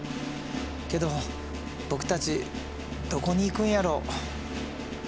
けど僕たちどこに行くんやろ？